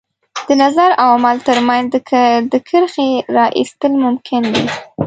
د نظر او عمل تر منځ د کرښې را ایستل ممکن دي.